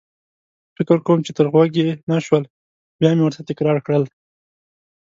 فکر کوم چې تر غوږ يې نه شول، بیا مې ورته تکرار کړل.